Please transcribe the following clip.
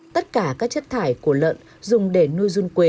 tất cả các chất thải của lợn dùng để nâng năng nông nghiệp hữu cơ